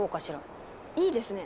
いいですね。